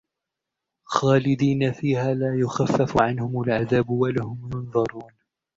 خَالِدِينَ فِيهَا لَا يُخَفَّفُ عَنْهُمُ الْعَذَابُ وَلَا هُمْ يُنْظَرُونَ